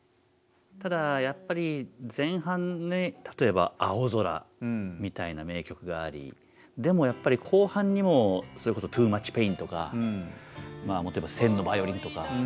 ただやっぱり前半に例えば「青空」みたいな名曲がありでもやっぱり後半にもそれこそ「ＴＯＯＭＵＣＨＰＡＩＮ」とかもっと言えば「１０００のバイオリン」とか。